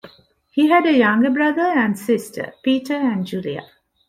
He had a younger brother and sister, Peter and Julia.